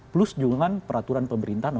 plus juga dengan peraturan pemerintah